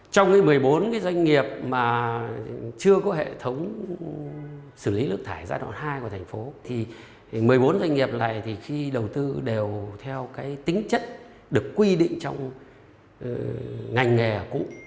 trong một mươi bốn cái doanh nghiệp mà chưa có hệ thống xử lý nước thải giai đoạn hai của thành phố thì một mươi bốn doanh nghiệp này thì khi đầu tư đều theo cái tính chất được quy định trong ngành nghề cũ